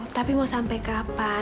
tapi mau sampai kapan